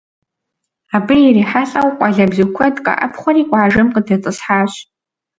Абы ирихьэлӀэу къуалэбзу куэд къэӀэпхъуэри къуажэм къыдэтӀысхьащ.